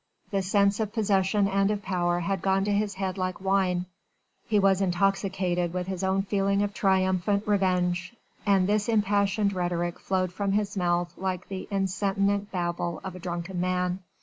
The sense of possession and of power had gone to his head like wine: he was intoxicated with his own feeling of triumphant revenge, and this impassioned rhetoric flowed from his mouth like the insentient babble of a drunken man.